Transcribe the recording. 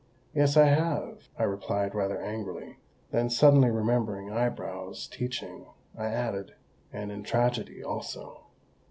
"Yes, I have!" I replied rather angrily; then, suddenly remembering Eyebrows' teaching, I added, "and in tragedy also."